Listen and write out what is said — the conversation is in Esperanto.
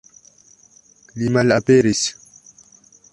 Li malaperis!